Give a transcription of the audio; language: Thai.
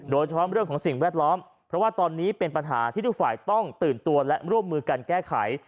โดยเฉพาะเรื่องของสิ่งแวดล้อมเพราะว่าตอนนี้เป็นปัญหาที่ทุกฝ่ายต้องตื่นตัวและร่วมมือกันแก้ไข